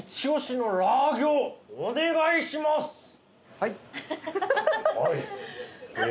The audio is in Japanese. はい。